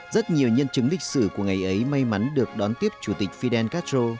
rất nhiều nhân chứng lịch sử của ngày ấy may mắn được đón tiếp chủ tịch fidel castro